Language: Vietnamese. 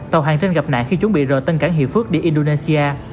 tàu hàng trên gặp nạn khi chuẩn bị rời tân cảng hiệp phước đi indonesia